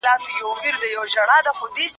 په اروپا کي د مذهب نفوذ د خلګو پر هر ګام باندې و.